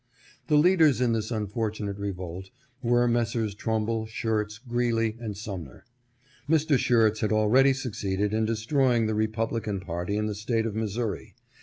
The leaders in this unfortunate revolt were Messrs. Trumbull, Schurz, Greeley, and Sumner. Mr. Schurz had already succeeded in destroying the Republican party in the State of Missouri.